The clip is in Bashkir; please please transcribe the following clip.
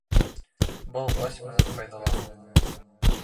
Был власть менән файҙаланыу.